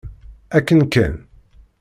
Akken kan.